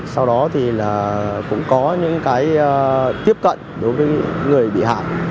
sau đó thì là cũng có những cái tiếp cận đối với người bị hại